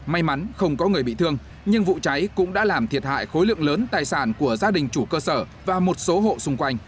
may mắn không có người bị thương nhưng vụ cháy cũng đã làm thiệt hại khối lượng lớn tài sản